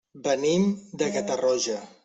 Venim de Catarroja.